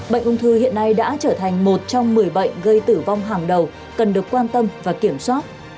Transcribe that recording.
bệnh ung thư hiện nay đã trở thành một trong một mươi bệnh gây tử vong hàng đầu cần được quan tâm và kiểm soát